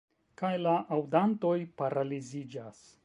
Kaj la aŭdantoj paraliziĝas.